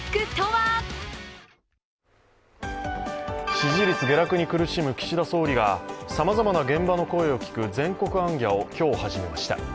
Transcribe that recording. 支持率下落に苦しむ岸田総理がさまざまな現場の声を聞く全国行脚を今日始めました。